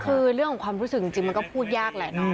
คือเรื่องของความรู้สึกจริงมันก็พูดยากแหละเนาะ